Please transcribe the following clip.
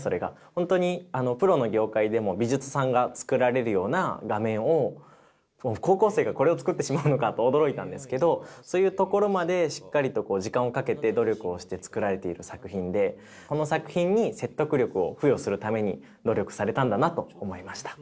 本当にプロの業界でも美術さんが作られるような画面を高校生がこれを作ってしまうのかと驚いたんですけどそういうところまでしっかりと時間をかけて努力をして作られている作品でこの作品に説得力を付与するために努力されたんだなと思いました。